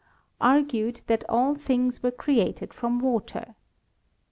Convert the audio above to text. argued that all things were created from water.